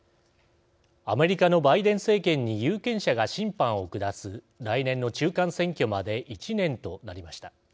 アメリカのバイデン政権に有権者が審判を下す来年の中間選挙まで１年となりました。